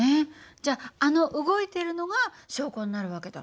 じゃああの動いてるのが証拠になる訳だ。